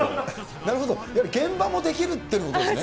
なるほど、いわゆる現場もできるっていうことですね。